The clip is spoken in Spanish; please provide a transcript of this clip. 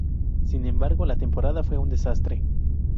Sin embargo, la temporada fue un desastre.